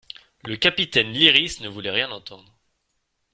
Le capitaine Lyrisse ne voulait rien entendre.